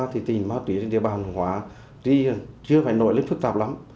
tỉnh ma túy trên địa bản hương hóa chưa phải nổi lên phức tạp lắm